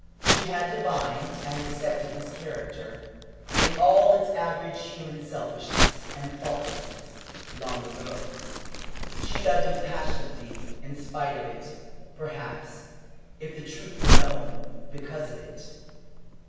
She had divined and accepted his character, in all its average human selfishness and faultiness, long ago. She loved him passionately in spite of it perhaps, if the truth were known, because of it.